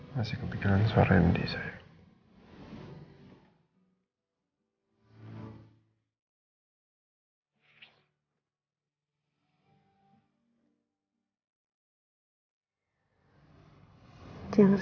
masih kepikiran suara md sayang